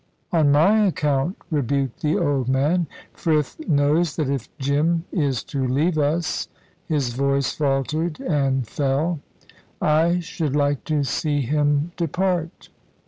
"On my account," rebuked the old man. "Frith knows that if Jim is to leave us" his voice faltered and fell "I should like to see him depart."